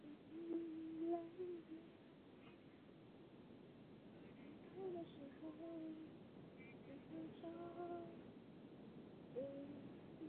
疯狂宇宙